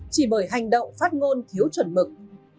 chỉ bởi hành động phát ngôn thiếu chuẩn mực